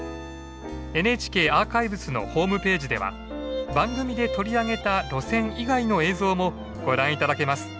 ＮＨＫアーカイブスのホームページでは番組で取り上げた路線以外の映像もご覧頂けます。